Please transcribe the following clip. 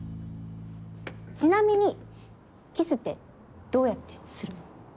ちなみにキスってどうやってするの？